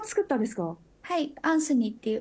はい。